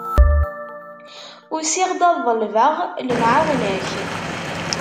Usiɣ-d ad ḍelbeɣ lemεawna-k.